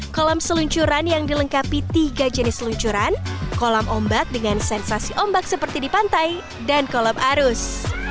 kolam seluncuran yang dilengkapi tiga jenis seluncuran kolam ombak dengan sensasi ombak seperti di pantai dan kolam arus